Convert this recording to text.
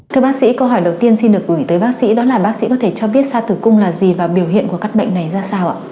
thưa bác sĩ câu hỏi đầu tiên xin được gửi tới bác sĩ đó là bác sĩ có thể cho biết sa tử cung là gì và biểu hiện của các bệnh này ra sao ạ